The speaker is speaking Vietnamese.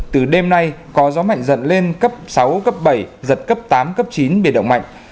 từ đêm nay có gió mạnh dần lên cấp sáu cấp bảy giật cấp tám cấp chín biệt động mạnh